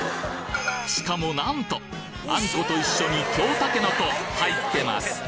しかもなんと！あんこと一緒に京たけのこ入ってます